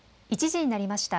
１時になりました。